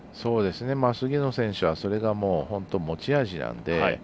菅野選手はそれが持ち味なので。